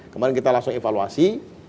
kemarin kita langsung evaluasi